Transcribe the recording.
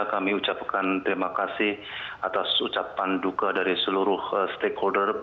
kami ucapkan terima kasih atas ucapan duka dari seluruh stakeholder